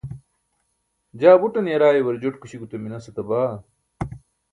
jaa buṭan yaraayuar joṭkuśi gute minas etaba